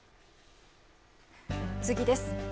次です。